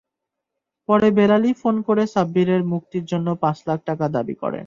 পরে বেলালই ফোন করে সাব্বিরের মুক্তির জন্য পাঁচ লাখ টাকা দাবি করেন।